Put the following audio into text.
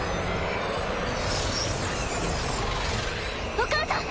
お母さん！